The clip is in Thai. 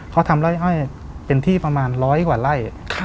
เขาทำไร่อ้อยเป็นที่ประมาณร้อยกว่าไร่